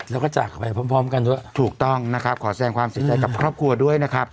แล้วก็จากไปพร้อมพร้อมกันด้วยถูกต้องนะครับขอแสงความเสียใจกับครอบครัวด้วยนะครับ